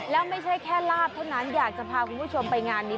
แล้วไม่ใช่แค่ลาบเท่านั้นอยากจะพาคุณผู้ชมไปงานนี้